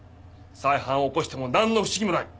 再犯を起こしてもなんの不思議もない。